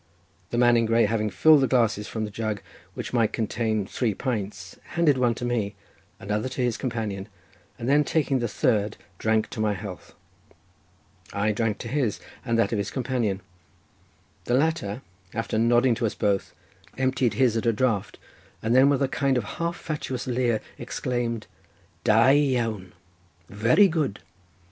The man in grey, having filled the glasses from the jug which might contain three pints, handed one to me, another to his companion, and then taking the third drank to my health. I drank to his, and that of his companion; the latter, after nodding to us both, emptied his at a draught, and then with a kind of half fatuous leer, exclaimed "Da iawn, very good."